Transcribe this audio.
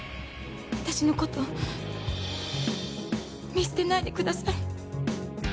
私のこと見捨てないでください。